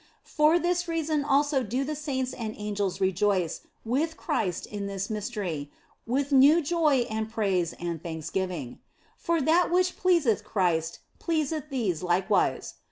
For this reason also do the saints and angels rejoice with Christ in this Mystery, with new joy and praise and thanksgiving. For that which pleaseth Christ pleaseth these likewise.